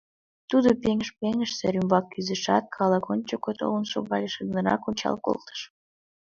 Тудо, пеҥыж-пеҥыж, сер ӱмбак кӱзышат, калык ончыко толын шогале, шыдынрак ончал колтыш.